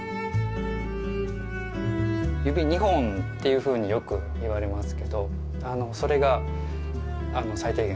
指２本っていうふうによく言われますけどそれが最低限。